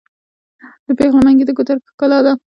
د پیغلو منګي د ګودر ښکلا ده.